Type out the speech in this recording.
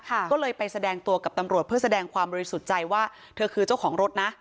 ก็เลยไปแสดงตัวกับตำรวจเพื่อแสดงความบริสุทธิ์ใจว่าเธอคือเจ้าของรถนะ